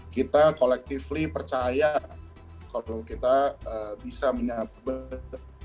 kita collectively percaya kalau kita bisa menyatukan